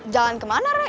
jalan kemana re